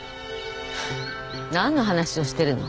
何の話をしてるの？